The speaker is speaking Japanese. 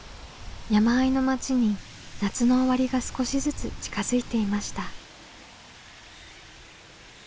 山あいの町に夏の終わりが少しずつ近づいていました。